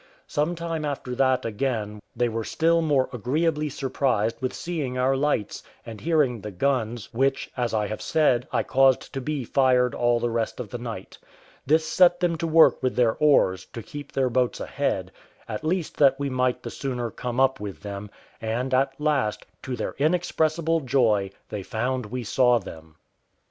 Some time after that again they were still more agreeably surprised with seeing our lights, and hearing the guns, which, as I have said, I caused to be fired all the rest of the night. This set them to work with their oars, to keep their boats ahead, at least that we might the sooner come up with them; and at last, to their inexpressible joy, they found we saw them.